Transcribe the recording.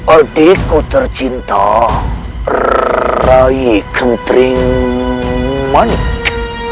adikku tercinta rai gentrimanik